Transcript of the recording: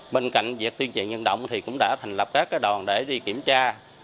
bên cạnh việc tuyên truyền nhân động thì cũng đã thành lập các đòn để đi kiểm tra